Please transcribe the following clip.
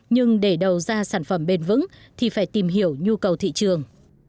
nhưng để đầu ra sản phẩm bền vững thì phải tìm hiểu nhu cầu thị trường